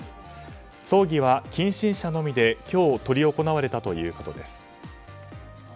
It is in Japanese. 葬儀は近親者のみで今日執り行われたということです。